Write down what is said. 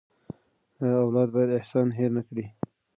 اولاد باید احسان هېر نه کړي.